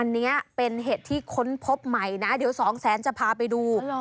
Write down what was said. อันนี้เป็นเห็ดที่ค้นพบใหม่นะเดี๋ยวสองแสนจะพาไปดู